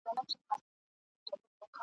رباعیات ..